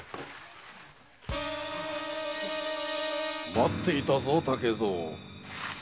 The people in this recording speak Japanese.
待っていたぞ竹蔵